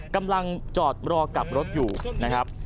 กำลังจอดรอกลับรถอยู่นะครับ